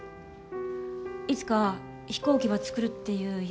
いつか飛行機ば造るっていう夢。